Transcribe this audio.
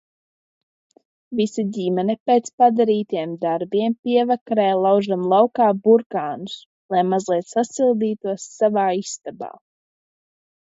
Visa ģimene pēc padarītiem darbiem pievakarē laužam laukā burānus, lai mazliet sasildītos savā istabā.